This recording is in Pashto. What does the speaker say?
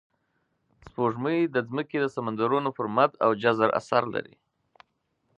سپوږمۍ د ځمکې د سمندرونو پر مد او جزر اثر لري